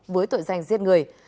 với tội danh giết người